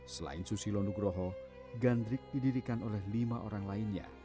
selain susilo nugroho gandrik didirikan oleh lima orang lainnya